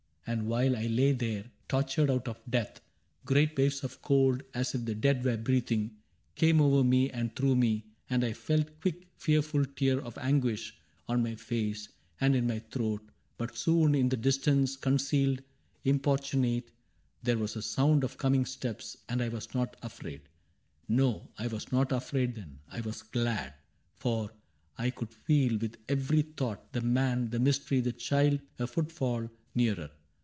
And while I lay there, tortured out of death. Great waves of cold, as if the dead were breathing. Came over me and through me; and I felt Quick fearful tears of anguish on my face And in my throat. But soon, and in the distance, Concealed, importunate, there was a sound Of coming steps, — and I was not afraid ^ No, I was not afraid then, I was glad ; For I could feel, with every thought, the Man, The Mystery, the Child, a footfall nearer.